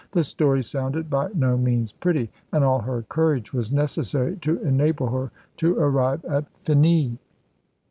The story sounded by no means pretty, and all her courage was necessary to enable her to arrive at finis.